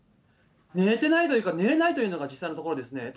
寝てないというか、寝れないというのが実際のところですね。